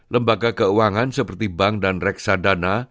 lembaga keuangan seperti bank dan reksadana